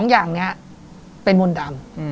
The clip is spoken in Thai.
อย่างนี้เป็นมนต์ดำ